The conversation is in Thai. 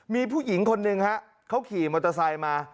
มีผู้หญิงคนหนึ่งฮะเขาขี่มอเตอร์ไซค์มา